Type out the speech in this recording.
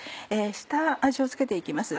下味を付けて行きます。